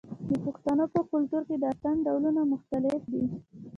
د پښتنو په کلتور کې د اتن ډولونه مختلف دي.